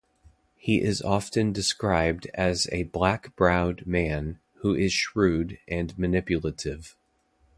He is often described as a "black-browed man" who is shrewd and manipulative.